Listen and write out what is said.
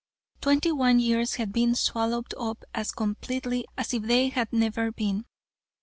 Twenty one years had been swallowed up as completely as if they had never been.